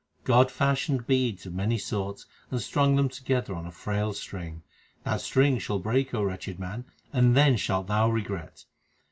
God fashioned beads 1 of many sorts and strung them together on a frail string. 2 That string shall break, O wretched man, and then shalt thou regret.